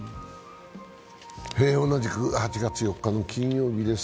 同じく８月４日の金曜日です